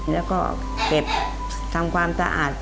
แล้วก็เก็บทำความสะอาด